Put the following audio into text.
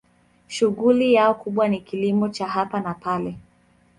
Shughuli yao kubwa ni kilimo cha hapa na pale.